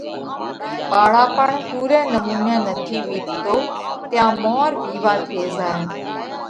ٻاۯاپڻ پُورئہ نمُونئہ نٿِي وِيتتو تيا مور وِيوا ٿي زائھ۔